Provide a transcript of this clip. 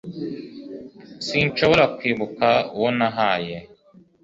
Sinshobora kwibuka uwo nahaye